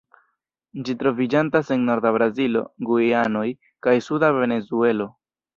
Ĝi troviĝantas en norda Brazilo, Gujanoj, kaj suda Venezuelo.